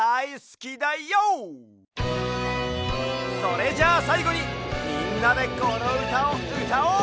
それじゃさいごにみんなでこのうたをうたおう！